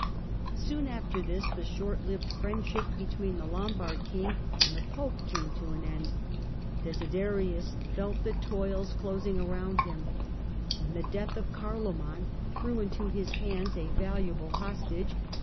Soon after this the short lived friendship between the Lombard king and the Pope came to an end. Desiderius felt the toils closing around him, when the death of Carloman threw into his hands a valuable hostage.